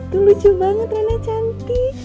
tuh lucu banget trennya cantik